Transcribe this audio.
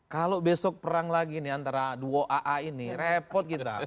kalau besok perang lagi nih antara duo aa ini repot kita